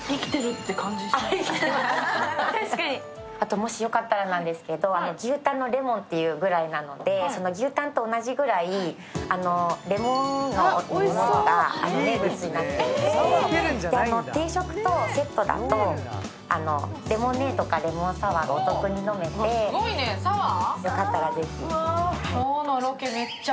もしよかったらですけど、牛たんの檸檬というぐらいなので、その牛たんと同じぐらいレモンの飲み物が名物になっていて定食とセットだとレモネードとレモンサワーがお得に飲めて、よかったらぜひ。